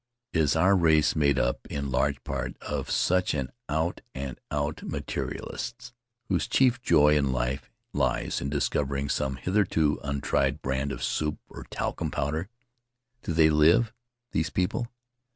Is our race made up, in large part, of such out and out materialists, whose chief joy in life lies in discovering some hitherto untried brand of soup or talcum powder? Do they live, these people?